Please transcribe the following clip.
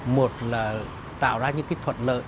một là tạo ra những cái thuận lợi